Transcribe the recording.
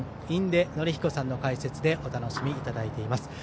印出順彦さんの解説でお楽しみいただいています。